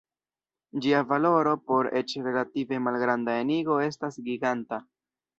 Ĝia valoro por eĉ relative malgranda enigo estas "giganta".